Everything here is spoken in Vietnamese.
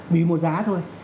vì một giá thôi